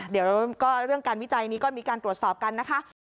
เดี๋ยวก็เรื่องการวิจัยนี้ก็มีการตรวจสอบกันนะคะ